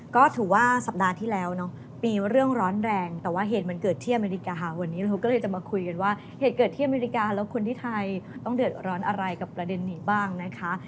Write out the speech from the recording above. ก็ถือว่าสัปดาห์ที่แล้วเนาะมีเรื่องร้อนแรงแต่ว่าเหตุมันเกิดที่อเมริกาวันนี้เขาก็เลยจะมาคุยกันว่าเหตุเกิดที่อเมริกาแล้วคนที่ไทยต้องเดือดร้อนอะไรกับประเด็นนี้บ้างนะคะ